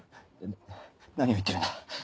何を言ってるんだ？